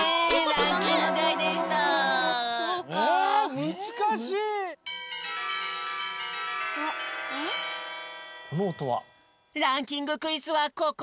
ランキング・クイズはここまで！